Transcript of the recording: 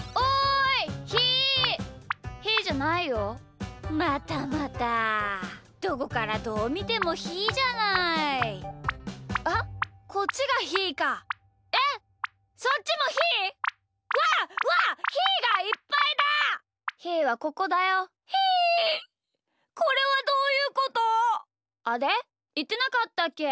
いってなかったっけ？